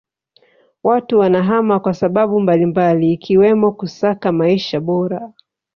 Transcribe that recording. Watu wanahama kwa sababu mbalimbali ikiwemo kusaka maisha bora